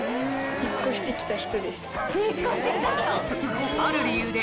引っ越してきた人。